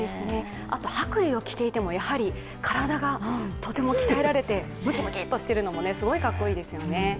あと白衣を着ていても体がとても鍛えられてムキムキとしているのもすごくかっこいいですよね。